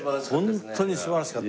ホントに素晴らしかった。